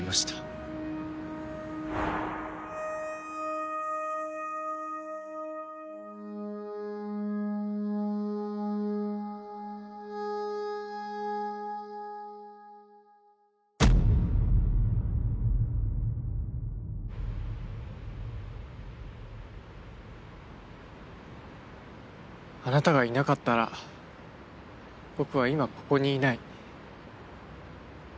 地面に落ちた音あなたがいなかったら僕は今ここにいない。